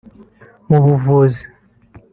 mu buvuzi